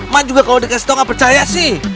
mak juga kalo dikasih tau nggak percaya sih